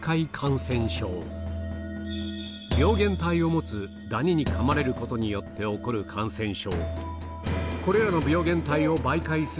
病原体を持つダニにかまれることによって起こる感染症